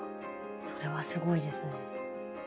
それはすごいですね。